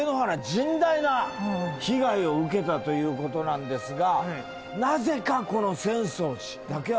甚大な被害を受けたという事なんですが。